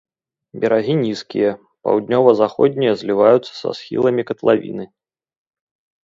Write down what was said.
Берагі нізкія, паўднёва-заходнія зліваюцца са схіламі катлавіны.